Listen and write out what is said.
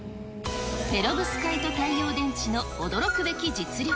ペロブスカイト太陽電池の驚くべき実力。